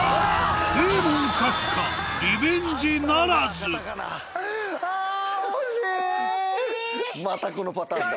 デーモン閣下リベンジならずまたこのパターンだ。